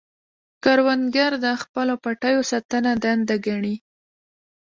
کروندګر د خپلو پټیو ساتنه دنده ګڼي